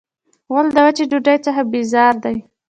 غول د وچې ډوډۍ څخه بیزار دی.